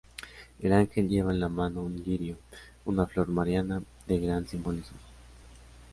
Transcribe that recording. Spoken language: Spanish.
El ángel lleva en la mano un lirio, una flor mariana de gran simbolismo.